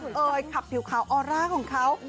เคยขับผิวขาวออร่าของเขา